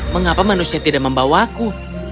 mengapa manusia tidak membawaku